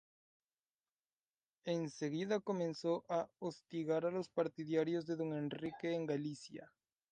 En seguida comenzó a hostigar a los partidarios de don Enrique en Galicia.